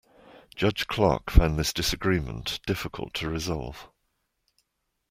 Judge Clark found this disagreement difficult to resolve.